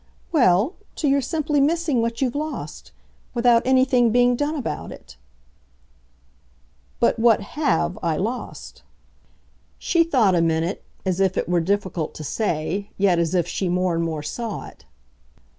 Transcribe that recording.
"Well, to your simply missing what you've lost without anything being done about it." "But what HAVE I lost?" She thought a minute, as if it were difficult to say, yet as if she more and more saw it.